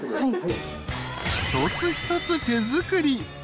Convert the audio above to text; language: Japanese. ［一つ一つ手作り］